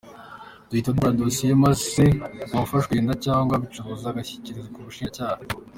Duhita dukora dosiye, maze uwafashwe yenga cyangwa abicuruza agashyikirizwa ubushinjacyaha."